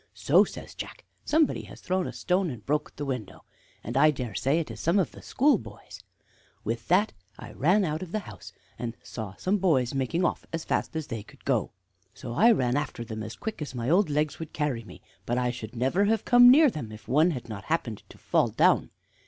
'So,' says Jack, 'sombody has thrown a stone and broke the window, and I dare say it is some of the schoolboys.' With that I ran out of the house, and saw some boys making off as fast as they could go. So I ran after them as quick as my old legs would carry me, but I should never have come near them if one had not happened to fall down.